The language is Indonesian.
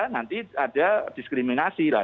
nanti ada diskriminasi lah